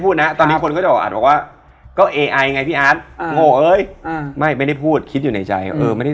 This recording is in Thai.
พี่ทำอะไร